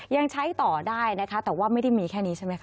ยังใช้ต่อได้นะคะแต่ว่าไม่ได้มีแค่นี้ใช่ไหมคะ